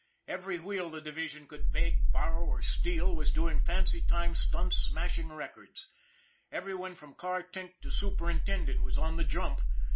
Every wheel the division could beg, borrow or steal was doing fancy time stunts smashing records. Everyone from car tink to superintendent, was on the jump.